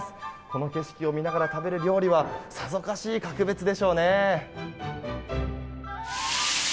この景色を見ながら食べる料理はさぞかし格別でしょうね。